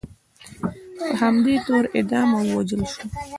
هغه په همدې تور اعدام او ووژل شو.